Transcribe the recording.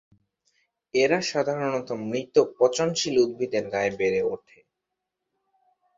এরা সাধারণত মৃত পচনশীল উদ্ভিদের গায়ে বেড়ে ওঠে।